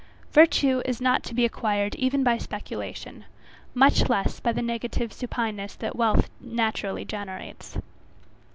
Virtue is not to be acquired even by speculation, much less by the negative supineness that wealth naturally generates.